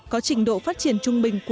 có trình độ phát triển trung bình